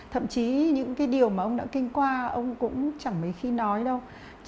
thậm chí những cái điều mà ông đã kinh qua ông cũng chẳng mấy khi nói đâu